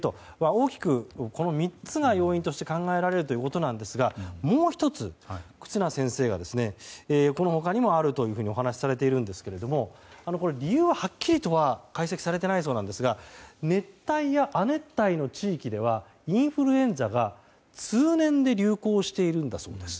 大きくこの３つが要因として考えられるということなんですがもう１つ、忽那先生がこの他にもあるとお話しされているんですけれども理由をはっきりとは解析されてないそうなんですが熱帯や亜熱帯の地域ではインフルエンザが通年で流行しているんだそうです。